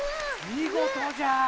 みごとじゃ！